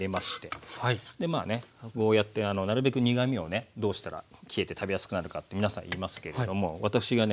でまあねゴーヤーってなるべく苦みをねどうしたら消えて食べやすくなるかって皆さん言いますけれども私がね